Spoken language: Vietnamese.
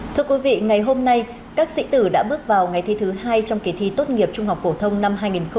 thưa quý vị ngày hôm nay các sĩ tử đã bước vào ngày thi thứ hai trong kỳ thi tốt nghiệp trung học phổ thông năm hai nghìn hai mươi